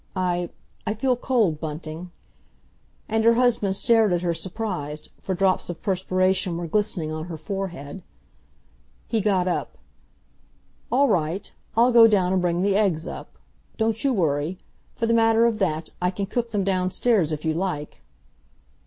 "I—I feel cold, Bunting." And her husband stared at her surprised, for drops of perspiration were glistening on her forehead. He got up. "All right. I'll go down and bring the eggs up. Don't you worry. For the matter of that, I can cook them downstairs if you like."